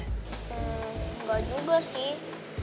hmm gak juga sih